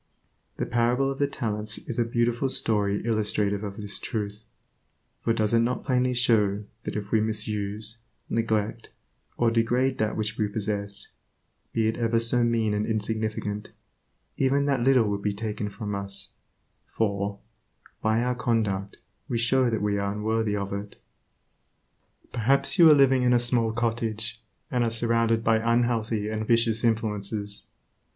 The parable of the talents is a beautiful story illustrative of this truth, for does it not plainly show that if we misuse, neglect, or degrade that which we possess, be it ever so mean and insignificant, even that little will be taken from us, for, by our conduct we show that we are unworthy of it. Perhaps you are living in a small cottage, and are surrounded by unhealthy and vicious influences.